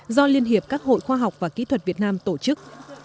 do liên hiệp các hội khoa học và kỹ thuật việt nam tổ chức